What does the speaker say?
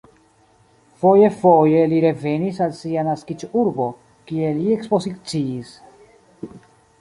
Foje-foje li revenis al sia naskiĝurbo, kie li ekspoziciis.